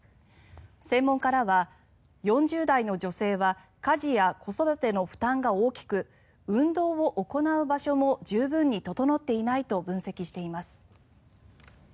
専門家らは、４０代の女性は家事や子育ての負担が大きく運動を行う場所も十分に整っていないと分析しています。